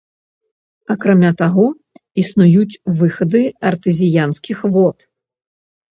Акрамя таго, існуюць выхады артэзіянскіх вод.